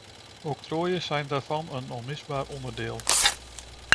Octrooien zijn daarvan een onmisbaar onderdeel.